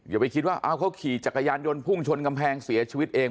อย่าไปคิดว่าเขาขี่จักรยานยนต์พุ่งชนกำแพงเสียชีวิตเอง